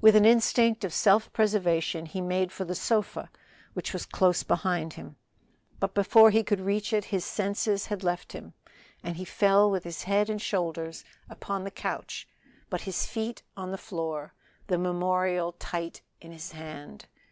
With an instinct of self preservation he made for the sofa, which was close behind him, but before he could reach it his senses had left him, and he fell with his head and shoulders upon the couch but his feet on the floor, the memorial tight in his hand.